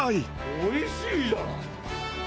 おいしいじゃん。